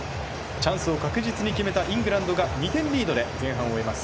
チャンスを確実に決めたイングランドが２点リードで前半を終えます。